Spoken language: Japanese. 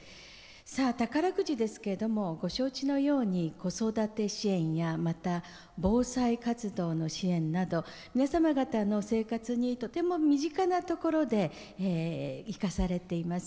宝くじはご承知のように子育て支援や防災活動の支援など皆様方の生活にとても身近なところで生かされています。